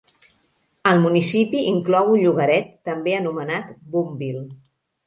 El municipi inclou un llogaret, també anomenat Boonville.